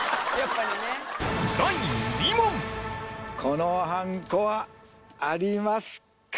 このはんこはありますか？